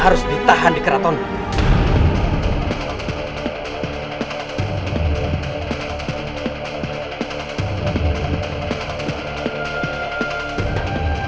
harus ditahan di keratona